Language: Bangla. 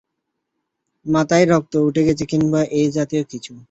মাথায় রক্ত উঠে গেছে কিংবা এই জাতীয় কিছু।